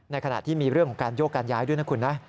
ขณะที่มีเรื่องของการโยกการย้ายด้วยนะคุณนะ